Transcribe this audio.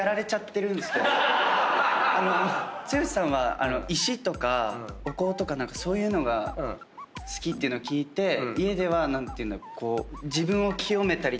剛さんは石とかお香とかそういうのが好きっていうのを聞いて家では何ていうんだろう？